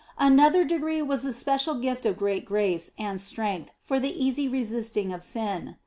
Another degree was the special gift of great grace and strength for the easy resisting of sin.